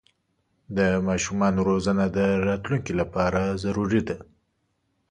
د ماشومانو روزنه د راتلونکي لپاره ضروري ده.